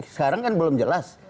sekarang kan belum jelas